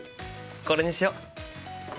これにしよう。